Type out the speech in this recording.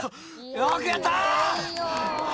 ・・よくやった！